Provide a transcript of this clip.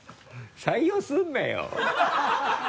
採用するなよ